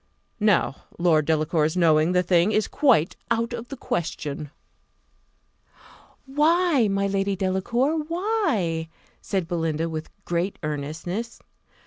Now Lord Delacour's knowing the thing is quite out of the question." "Why, my dear Lady Delacour, why?" said Belinda, with great earnestness.